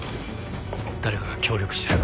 誰かが協力してる。